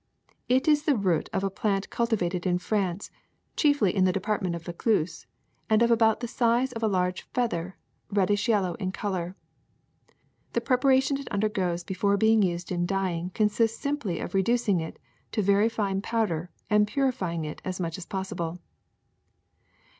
It is the root of a plant cultivated in France, chiefly in the department of Vaucluso, and of about the size of a large feather, red dish yellow in color. The preparation it undergoes before being used in dye ing consists simply in reducing it to very fine powder and purifying it as much as possible.